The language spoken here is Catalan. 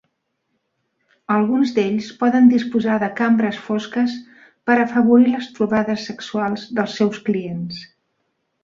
Alguns d'ells poden disposar de cambres fosques per afavorir les trobades sexuals dels seus clients.